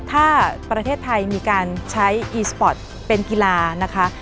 ถ้าประเทศไทยมีการใช้อีสปอร์ตเป็นกีฬานะคะ